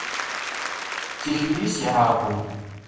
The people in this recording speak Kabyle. D tikli i s-iɛerqen.